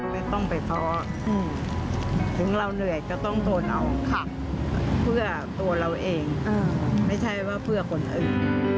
ไม่ต้องไปท้อถึงเราเหนื่อยก็ต้องทนเอาเพื่อตัวเราเองไม่ใช่ว่าเพื่อคนอื่น